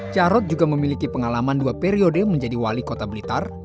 jarod juga memiliki pengalaman dua periode menjadi wali kota blitar